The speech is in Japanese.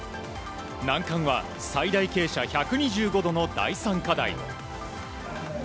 難関は最大傾斜１２５度の第３課題。